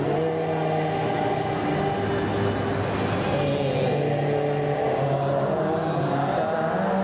โอ้โอ้